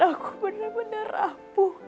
aku bener bener rampuh